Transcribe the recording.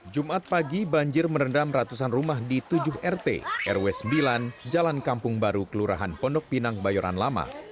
jumat pagi banjir merendam ratusan rumah di tujuh rt rw sembilan jalan kampung baru kelurahan pondok pinang bayoran lama